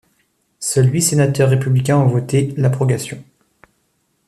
Seuls huit sénateurs républicains ont voté l'abrogation’.